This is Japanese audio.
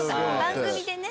番組でね。